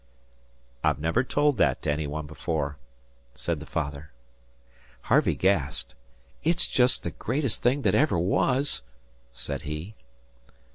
"I've never told that to any one before," said the father. Harvey gasped. "It's just the greatest thing that ever was!" said he.